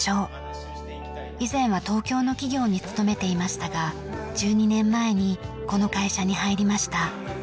以前は東京の企業に勤めていましたが１２年前にこの会社に入りました。